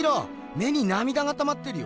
目になみだがたまってるよ。